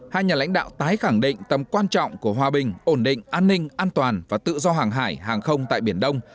hai nhà lãnh đạo tái khẳng định tầm quan trọng của hòa bình ổn định an ninh an toàn và tự do hàng hải hàng không tại biển đông